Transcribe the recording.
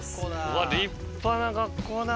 うわっ立派な学校だな。